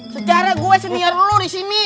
secara gua senior lu di sini